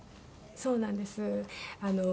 そうなんです。